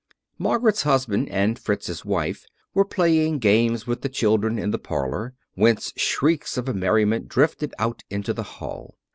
Margaret's husband and Fritz's wife were playing games with the children in the parlour, whence shrieks of merriment drifted out into the hall.